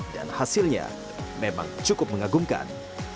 dan hasilnya memang cukup mengagumkan